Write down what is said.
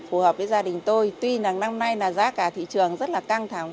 phù hợp với gia đình tôi tuy rằng năm nay là giá cả thị trường rất là căng thẳng